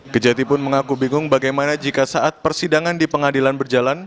kejati pun mengaku bingung bagaimana jika saat persidangan di pengadilan berjalan